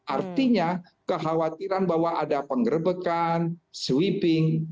artinya kekhawatiran bahwa ada penggerbekan sweeping